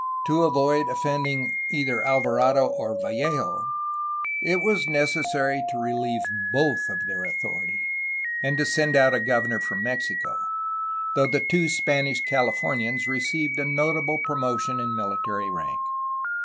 To avoid offending either 480 A HISTORY OF CALIFORNIA Alvarado or Vallejo, it was necessary to relieve both of their authority and to send out a governor from Mexico, though the two Spanish Californians received a notable promotion in miUtary rank.